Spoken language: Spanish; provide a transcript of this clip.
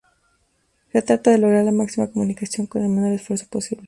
Se trata de lograr la máxima comunicación con el menor esfuerzo posible.